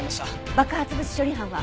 爆発物処理班は？